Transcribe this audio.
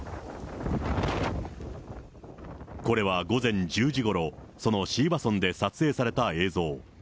これは午前１０時ごろ、その椎葉村で撮影された映像。